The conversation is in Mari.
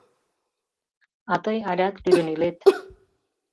А тый алят лӱдын илет.